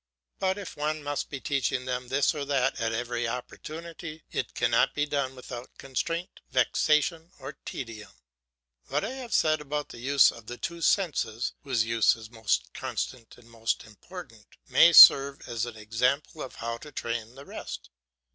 But if one must be teaching them this or that at every opportunity, it cannot be done without constraint, vexation, or tedium. What I have said about the use of the two senses whose use is most constant and most important, may serve as an example of how to train the rest.